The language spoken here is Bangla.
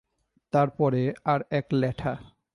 তার পরে আর-এক ল্যাঠা।